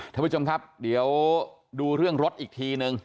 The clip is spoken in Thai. ท่านผู้ชมครับเดี๋ยวดูเรื่องรถอีกทีนึง